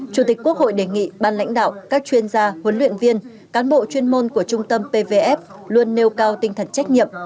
chủ tịch quốc hội đề nghị ban lãnh đạo các chuyên gia huấn luyện viên cán bộ chuyên môn của trung tâm pvf luôn nêu cao tinh thần trách nhiệm